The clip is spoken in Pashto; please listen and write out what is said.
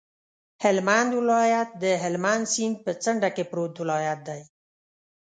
هلمند ولایت د هلمند سیند په څنډه کې پروت ولایت دی.